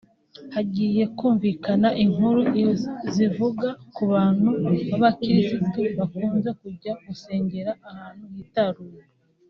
Hagiye humvikana inkuru zivuga ku bantu b’abakiristu bakunze kujya gusengera ahantu hitaruye